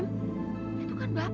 itu kan bapak